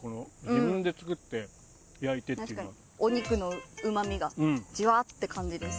確かにお肉のうま味がジュワって感じです。